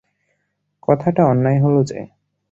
কথাটা অন্যায় হল যে।